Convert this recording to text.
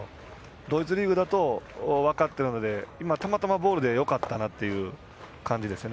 同一リーグだと分かっているので今、たまたまボールでよかったなという感じですね。